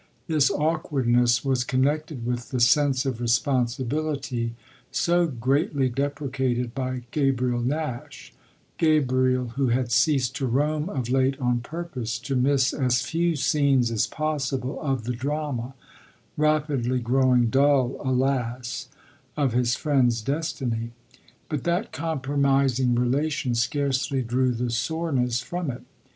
This awkwardness was connected with the sense of responsibility so greatly deprecated by Gabriel Nash, Gabriel who had ceased to roam of late on purpose to miss as few scenes as possible of the drama, rapidly growing dull alas, of his friend's destiny; but that compromising relation scarcely drew the soreness from it.